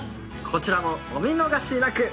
こちらもお見逃しなく。